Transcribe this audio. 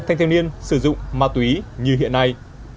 thanh thiếu niên sử dụng ma túy như hiện nay